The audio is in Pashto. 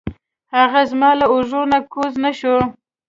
هغه زما له اوږو نه کوز نه شو.